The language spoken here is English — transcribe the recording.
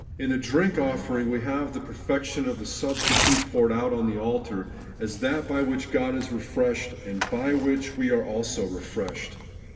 In the drink offering we have the perfection of the substitute poured out on the altar, as that by which God is refreshed, and by which we are also refreshed.